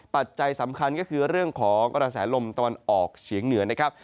ปัจจัยสำคัญก็คือเรื่องของกระแสลมตะวันออกเฉียงเหนือนะครับ